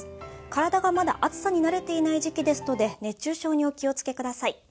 体がまだ暑さに慣れていない時期ですので、熱中症にお気をつけください。